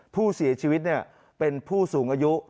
ผู้เสียชีวิตเป็นผู้สูงอายุ